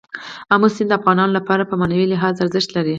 آمو سیند د افغانانو لپاره په معنوي لحاظ ارزښت لري.